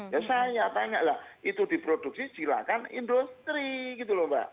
ya saya tanyalah itu diproduksi silakan industri gitu loh mbak